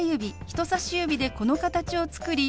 人さし指でこの形を作り